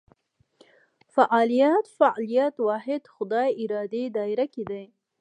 فعالیت فاعلیت واحد خدای ارادې دایره کې دي.